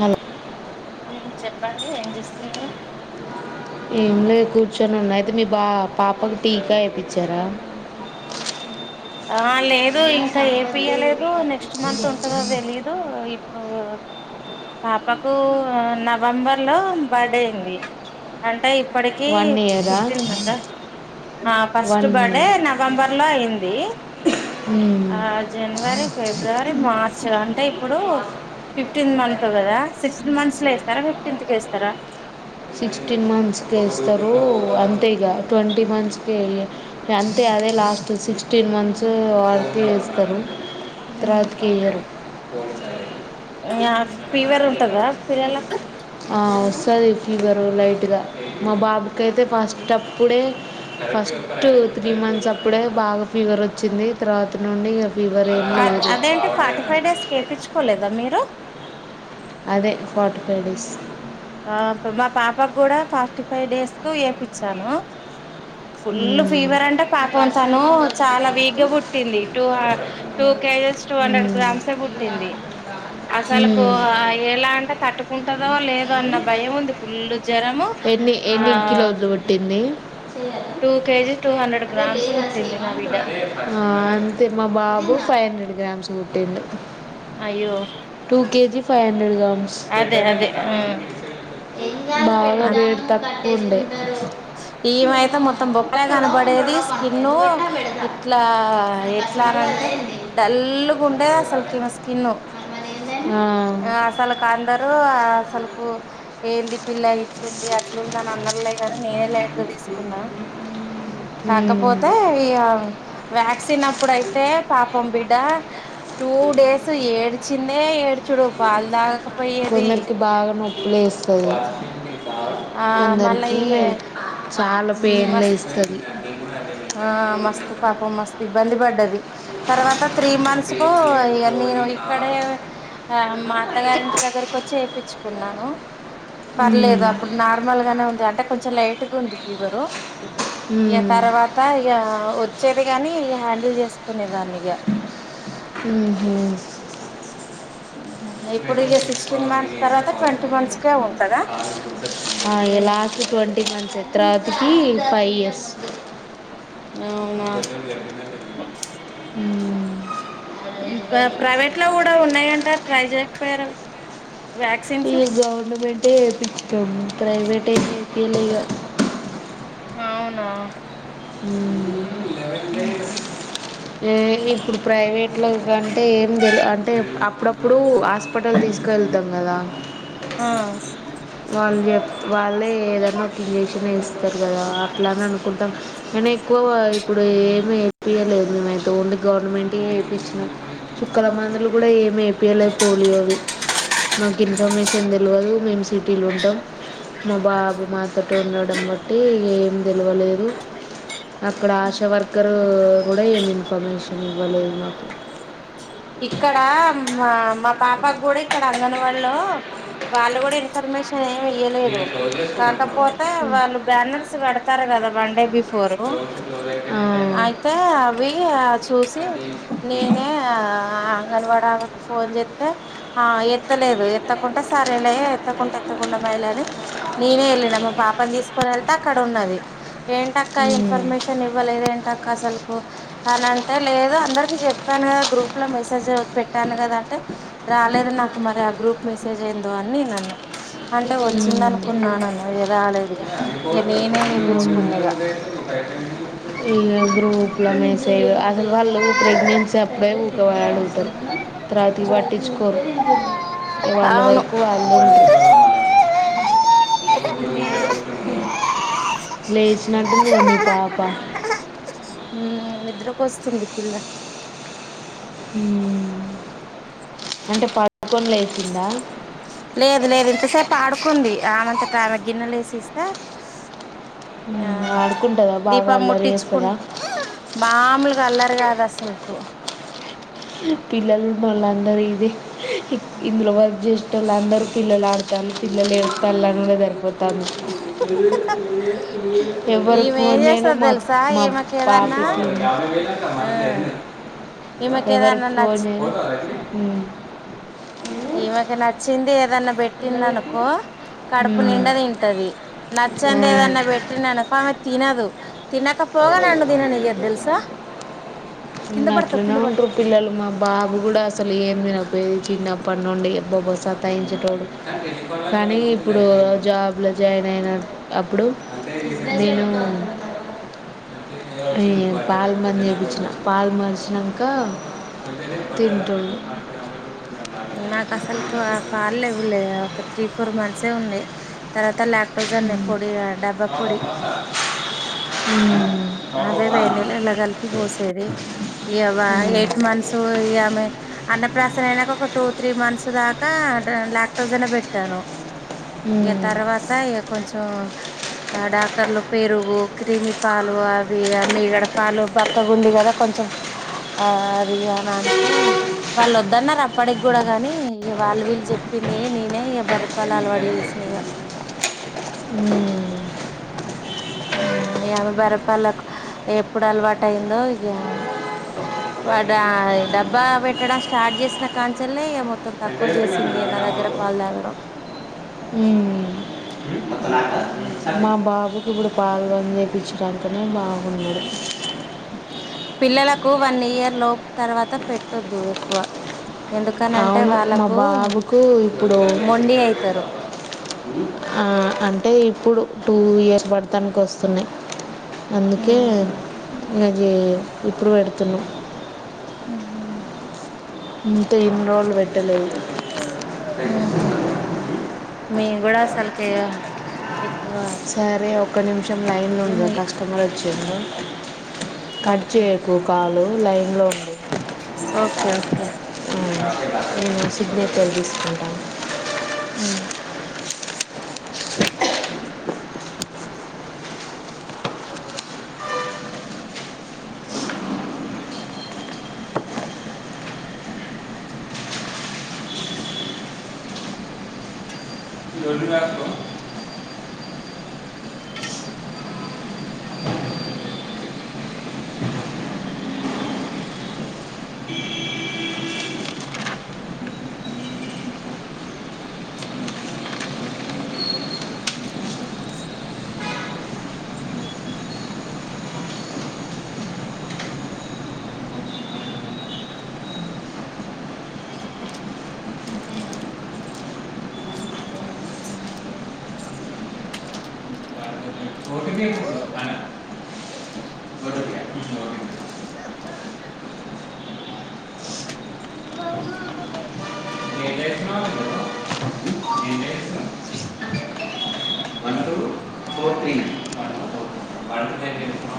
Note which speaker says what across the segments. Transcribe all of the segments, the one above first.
Speaker 1: Hi
Speaker 2: ఉ చెప్పండి ఏం చేస్తున్నారు
Speaker 1: ఏం లే కూర్చొని ఉన్నా అయితే మీ బా పాపకు టీకా వేపిచ్చారా
Speaker 2: ఆ లేదు ఇ ఇంకా ఏపియలేదు నెక్స్ట్ మంత్ ఉంటదో తెలీదు ఇప్పుడు పాపకు నవంబర్ లో బర్త్డే అయింది అంటే ఇప్పటికి
Speaker 1: వన్ ఇయరా
Speaker 2: ఫిఫ్టీన్ మంత ఆ first
Speaker 1: one
Speaker 2: birthday
Speaker 1: year
Speaker 2: November లో అయింది ఆ జనవరి, ఫిబ్రవరి, మార్చ్ అంటే ఇప్పుడు ఫిఫ్టీన్ మంత్ కదా సిక్స్టీన్ మంత్స్ లో వేస్తారా ఫిఫ్టీన్త్ కి వేస్తారా
Speaker 1: సిక్స్టీన్ మంత్స్కి వేస్తారు అంతే ఇగ ట్వంటీ మంత్స్కి అంతే అదే లాస్ట్ సిక్స్టీన్ మంత్స్ వార్కి వేస్తారు తర్వాతకి వేయరు
Speaker 2: ఫీవర్ ఉంటదా పిల్లలకు
Speaker 1: వస్తది ఫీవరు లైట్గా మా బాబుకైతే ఫాస్ట్ అప్పుడే ఫస్ట్ త్రీ మంత్స్ అప్పుడే బాగా ఫీవర్ వచ్చింది తర్వాత నుండి ఫీవర్ ఏం
Speaker 2: అ
Speaker 1: లేదు
Speaker 2: అదేంటి ఫార్టీ ఫైవ్ డేస్ ఎపించుకోలేదా మీరు
Speaker 1: అదే ఫాట్ ఫైవ్ డేస్
Speaker 2: ఆ మా పాప కూడ ఫార్టీ ఫైవ్ డేస్ కు ఎపించాను ఫుల్
Speaker 1: మ్మ్.
Speaker 2: ఫీవర్ అంట పాపం
Speaker 1: పర్సనల్
Speaker 2: తను
Speaker 1: నెంబర్ ఉందా
Speaker 2: చాలా
Speaker 1: నీకు
Speaker 2: వీక్గా పుట్టింది two two kgs two hundred
Speaker 1: మ్మ్.
Speaker 2: గ్రామ్స్ే
Speaker 1: ఉందా
Speaker 2: పుట్టింది
Speaker 1: ఉందా
Speaker 2: అసలుకు
Speaker 1: మ్మ్.
Speaker 2: ఎలా అంటే తట్టుకు కుంటదో లే దో అన్న భయం ఉంది ఫుల్లు
Speaker 1: ఎన్ని ఎన్ని కిలోలు పూట్టింది
Speaker 2: two kg two hundred grams పుట్టింది నా బిడ్డ
Speaker 1: అ అంతే మా బాబు ఫైవ్ హండ్రెడ్ గ్రామ్స్ పూట్టిండు
Speaker 2: అయ్యో
Speaker 1: two kg five hundred grams [inaudible]
Speaker 2: అదే అదే ఆ
Speaker 1: బాగ త
Speaker 2: ఈమయితే మొత్తం బొక్కలే
Speaker 1: లొడక్
Speaker 2: కనపడేది
Speaker 1: లొడక్ అంటే
Speaker 2: స్కిన్
Speaker 1: ఎందుకు పెట్టా పెడతా
Speaker 2: ఇట్లా
Speaker 1: మన
Speaker 2: ఎట్లా
Speaker 1: కస్టమర్ కదా
Speaker 2: అనంటే
Speaker 1: ఏంది
Speaker 2: డల్ గ ఉండే
Speaker 1: ఆ,
Speaker 2: అసలుకిమె స్కిన్
Speaker 1: మరి ఏందని ఆ,
Speaker 2: అసలు కా అందరు అసలు ఏంది పిల్ల ఇట్లుంది అని ఉందా అన్న ై కానీ నేనే లైట్ గాతీసుకున్న
Speaker 1: ఉమ్,
Speaker 2: కాకపోతే ఇగా వ్యాక్సినప్పుడయితే పాపం బిడ్డ టూ డేస్ ఏడ్ చిన్నె ఏడ్చుడు పాల్ దాక
Speaker 1: కొందరికి బాగ నొప్పులేస్ అంతేగా
Speaker 2: ఆ మళ్ళా
Speaker 1: కొందరికి
Speaker 2: ఈమె
Speaker 1: చాల పేన్
Speaker 2: మస్త్
Speaker 1: లేస్తది
Speaker 2: ఆ మస్త్ పాపం మస్త్ ఇబ్బంది పడ్డది తర్వాత త్రీ మంత్స్ కు నేను
Speaker 1: చేరుకొని ఆ
Speaker 2: ఇక్కడే ఆ మా అత్తగారింటి దగ్గరకు వచ్చి చేయిచ్చు ఉన్నాను
Speaker 1: ఉమ్,
Speaker 2: పర్లేదు అప్పుడ్ నార్మల్ గానే ఉంది అంటే కొంచెం లైట్ ఇటు వంది తీవర
Speaker 1: ఉమ్,
Speaker 2: తారవాత ఆ వచ్చేది గాని హ్యాండిల్ చేసుకునే దాన్నిగా
Speaker 1: అ హ
Speaker 2: ఇప్పుడు ఇగ సిక్స్టీన్ మంత్ తర్వాత ట్వంటీ మంత్స్ కే ఉంటదా
Speaker 1: ఆ ఇగ లాస్ట్ ట్వంటీ మంత్స్ తర్తకి ఫైవ్ ఇయర్స్
Speaker 2: అవునా ప్రైవేట్ లో కూడా ఉన్నాయంట చేయకపోయారా వ్యాక్సిన్స్
Speaker 1: గవర్నమెంట్ వేయిపించనం ప్రైవేట్ ఇలి
Speaker 2: అవునా
Speaker 1: ఏ ఇప్పుడు ప్రైవే అట్లా కంటే ఏం తెలు అంటే అప్పుడప్పుడు హాస్పిటల్ తీసుకు వెళ్తాం కదా
Speaker 2: ఆ
Speaker 1: వాళ్ళు చెప్ వాళ్ళే ఏదైనా ఒక ఇంజక్షన్ వేస్త చెతారు కదా అట్లా అని అనుకుంటాం కానీ ఎక్కువ ఇప్పుడు ఏమి వపియలేదు నేను ఓన్లీ గవర్నమెంట్ వేయించినం చుక్కల మందులు కూడా ఏమి ఏపీయలే పోలియో అవి మాకు ఇన్ఫర్మేషన్ తెలియదు మేము సిటీలు ఉంటాం మా బాబు మాతోట ఉండడం బట్టి ఏం తెలివలేదు అక్కడ ఆశా వర్కర్ అ ఉడయం ఇన్ఫర్మేషన్ వెళ ఉ
Speaker 2: ఇక్కడ మా మా పాపా కూడా ఇక్కడ అంగన్వాడలో వాళ్ళు కూడా ఇన్ఫర్మేషన్ ఏమి
Speaker 1: ఈడ
Speaker 2: ఇయలేదు
Speaker 1: క్లోజ్ చేసుకున్నా ఇప్పుడు
Speaker 2: కాకపోతే
Speaker 1: ఉమ్.
Speaker 2: వాళ్ళు బ్యానర్స్ కడతారు కదా one day before
Speaker 1: close close ఆ. అయిపోయింది
Speaker 2: అయితే అవి చూసి
Speaker 1: అంటే బి
Speaker 2: నేనే ఆ అంగన్వాడ ఆమెకి ఫోన్ చేస్తే ఆ ఎత్తలేదు ఎత్తకుంటే సరే వెళ ఎత్తకుంటే ఎత్తకుండా మాయిలే అని నేనే వెళ్ళిన మా పాపని తీసుకొని వెళ్తే అక్కడ ఉన్నది ఏంటక్క ఇన్ఫర్మేషన్ ఇవ్వలేదేంటి అసలుకు అని అంటే లేదు అందరికి చెప్పాను కదా గ్రూప్ లో మెసేజ్ పెట్టాను కదా అంటే రాలేదు నాకు మరి ఆ గ్రూప్ మెసేజ్ ఏందో అని నేను అన అంటే వచ్చింది అనుకున్నానుండి రాలేదు ఇక ఇక నేనే చేపించుకున్న ఇక
Speaker 1: ఈ గ్రూప్లో మెసేజ్ అసలు వాళ్ళు ప్రెగ్నెన్సీ అప్పుడే ఇ వాళతారు తరువాత పట్టించుకోరు వాళ్ళ
Speaker 2: అవును
Speaker 1: వరకు వాళ్ళు ఉంటరు లేచినట్టుంది గా మీ పాప
Speaker 2: నిద్రక వస్తుంది పిల్ల
Speaker 1: హ
Speaker 2: లేదు లేదు ఇంతసేపు ఆడుకుంది ఆమంతట ఆమె గిన్నెలు వేసిస్తే ఆ
Speaker 1: ఉమ్, ఆడుకుంటుందా బాగా
Speaker 2: దీపం
Speaker 1: అల్లరి
Speaker 2: ముట్టించుకుంట
Speaker 1: చేస్తుందా
Speaker 2: మామూలుగా అల్లరు కాదు అసలు కు
Speaker 1: పిల్లలు బలా రే
Speaker 2: మ్మ్
Speaker 1: ఇందలోబద్ జ్యష్ఠ [unintelligible] ప వాళ్ళందరూ పిల్లలు ఆడతారు పిల్లలు ఏస్తాళ్ల సరిపోత ను
Speaker 2: ఈమె
Speaker 1: ఎవరికో
Speaker 2: ఏం
Speaker 1: నేను
Speaker 2: చేస్తది
Speaker 1: మా
Speaker 2: తెలుసా
Speaker 1: మా
Speaker 2: ఈమెకి ఏదన్నా
Speaker 1: పాపకి
Speaker 2: ఆ ఈమెకి
Speaker 1: ఎవరు
Speaker 2: ఏదన్నా నచ్చి
Speaker 1: ఫోన్
Speaker 2: ఈ మక నచ్చింది ఏదన్నా పెట్టిందనుకో కడుపు
Speaker 1: ఉమ్.
Speaker 2: నిండ తింటది
Speaker 1: ఆ.
Speaker 2: నచ్చంది ఏదన్నా పెట్టిననుకో ఆమె తినదు తినకపోగా నన్ను తిననియ్యదు తెలుసా కింద పడతావ్
Speaker 1: అట్లనే
Speaker 2: కింద
Speaker 1: ఉంటారు
Speaker 2: పడతావ్
Speaker 1: పిల్లలు మా బాబు కూడా అసలు ఏం తినపోయది చిన్నప్పటిండి బబసా తయించుటోడు కానీ ఇప్పుడు జాబ్లో జాయిన్ అయిన అప్పుడు నేను అ పాలు మంది చేపించిన పాలు మరిచినాక తింటుండు
Speaker 2: నాకు అసలుకు వులే ఒక త్రీ ఫోర్ మంత్స్ ఉన్నాయి తర్వా ఫోజ పొడి డబ్బా పొడి
Speaker 1: ఉ
Speaker 2: అవే వేడినీలల్ల కలిపి పోసేది. ఎవా
Speaker 1: ఉమ్. ఉమ్.
Speaker 2: ఎయిట్ మంత్స్ ఈ ఆమె అన్నప్రాసన అయినంక, ఒక టూ, త్రీ మంత్స్ దాకా ఆటా లాక్టోజన్ బెట్టాను. ఇహ తర్వాతయె కొంచెం, డాక్టర్లు పెరుగు, క్రిమి పాల అవి మీగడ పాలు పక్కగా ఉంది గద కొంచెం. ఆ అది అని అంటే, వాళ్ళొద్దన్నరు అప్పటికి గుడా గనీ, ఇగ వాళ్ళు వీళ్ళు చెప్పిందినీ, నేనే ఇ బర్రె పాలు అలవాటు జేసిన ఇగ.
Speaker 1: ఉమ్. ఉమ్.
Speaker 2: ఊహ్, ఆమె బర్రెపాల్లకు ఎప్పుడు అలవాట యిందో ఇహా, వడా డబ్బా పెట్టడం స్టార్ట్ జేసిన కాన్నుంచెల్లేె, ఇగ మొత్తం
Speaker 1: ఎంత
Speaker 2: తక్కువ
Speaker 1: చెప్పిందండి
Speaker 2: జేసింది
Speaker 1: నవీన్
Speaker 2: నా దగ్గర
Speaker 1: అమ్మకు
Speaker 2: పాలు తాగడం.
Speaker 1: ఉమ్. మొత్తం
Speaker 2: అట్లా
Speaker 1: మా బాబుకు గుడ పాలు మేపించడానికనే బాబున్నడు.
Speaker 2: పిల్లలకు వన్ ఇయర్ లోపు, తర్వాత పెట్టొద్దు ఎక్కువ. ఎందుకనంటే
Speaker 1: అవును. మా
Speaker 2: వాళ్ళకు
Speaker 1: బాబుకు ఇప్పుడు,
Speaker 2: మొండి అయితారు
Speaker 1: ఆ అంటే ఇప్పుడు టూ ఇయర్స్ బడుతానికి ఒస్తున్నయ్. అందుకే
Speaker 2: ఉహు
Speaker 1: అదీ, ఇప్పుడు బెడుతున్న.
Speaker 2: ఊహ్.
Speaker 1: ఇంతే! ఇన్ని రోజులు బెట్టలేదు.
Speaker 2: ఊహు. మీగ్గుడా అసలుకీ ఇగ
Speaker 1: సరే, ఒక్క నిమిషం లైన్లో ఉండు.
Speaker 2: తీయము ఇగ
Speaker 1: కస్టమర్ ఒచ్చిండు. [unintelligible] కట్
Speaker 2: ఓకే
Speaker 1: చేయకు కాళ్లు, లైన్లో ఉండు.
Speaker 2: ఓకే ఓకే
Speaker 1: ఈమె సిగ్నేచర్ తీసుకో.
Speaker 2: ఊ [unintelligible] [unintelligible] [inaudible]
Speaker 1: పొద్దుగాల
Speaker 2: [unintelligible] అ [inaudible]
Speaker 1: ఓటినే [unintelligible] ఓటింగ్
Speaker 2: బౌ బౌ
Speaker 1: నేను చేస్తున్నావు నేను చేస్తున్నాను వంటలు వంటలు వంటలు నేను చేస్తున్నాను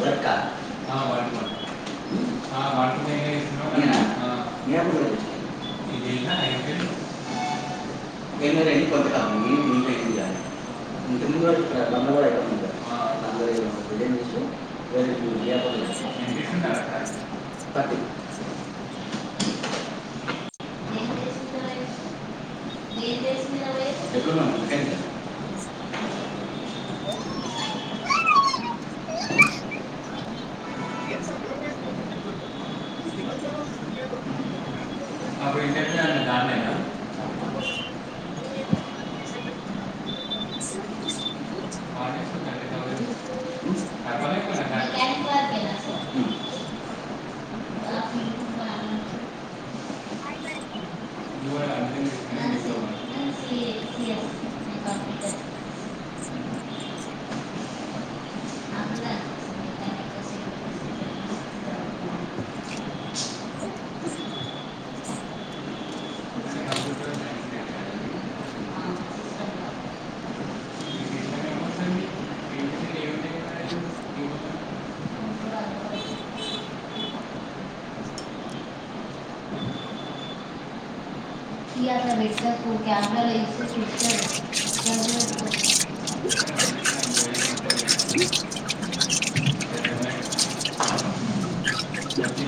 Speaker 1: వర్క్ వంట వంట నేను నేనా? చేస్తున్నాను నేను ఇది అయిపోయింది నేను రెండు కొంత కాదు నేను ముందు అయింది కానీ ఉంటుంది కూడా ఇక్కడ బంద కూడా ఇక్కడ ఉంది అందరూ బిల్డింగ్ చేసి వేరే వ్యాపారం థర్టీ ఎప్పుడు
Speaker 2: [unintelligible]
Speaker 1: మీ నాన్న నా కాలేజ్ థర్టీ థౌసండ్ తక్కువనే కొన్నా కాదు. ఇది కూడా అర్థం చేసుకుని తీసుకోవాలి. కంప్యూటర్స్ కంప్యూటర్ సైన్స్ [unintelligible] వచ్చింది